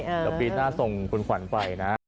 เดี๋ยวปีหน้าส่งคุณขวัญไปนะ